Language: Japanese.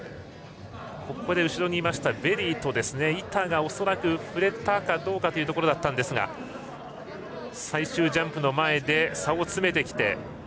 後ろにいましたベリーと板が恐らく触れたかどうかというところでしたが最終ジャンプの前で差を詰めてきて。